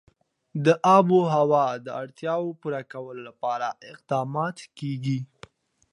د آب وهوا د اړتیاوو پوره کولو لپاره اقدامات کېږي.